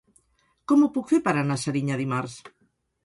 Com ho puc fer per anar a Serinyà dimarts?